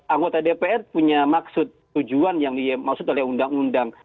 anggota dpr punya maksud tujuan yang dimaksud oleh undang undang